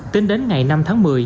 tính đến ngày năm tháng một mươi